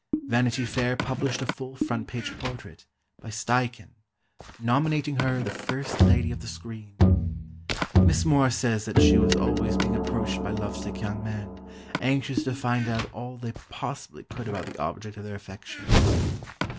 Vanity Fair published a full front page portrait, by Steichen, nominating her "The First Lady of the Screen." Miss Moir says that she was always being approached by lovesick young men, anxious to find out all they possibly could about the object of their affections.